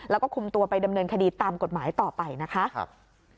แล้วก็คุมตัวไปดำเนินคดีตามกฎหมายต่อไปนะคะ